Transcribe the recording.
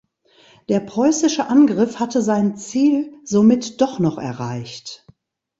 Der preußische Angriff hatte sein Ziel somit doch noch erreicht.